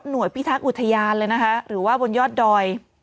พิทักษ์อุทยานเลยนะคะหรือว่าบนยอดดอย